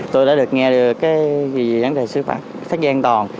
tôi đã được nghe được về vấn đề xử phạt tắt ghế an toàn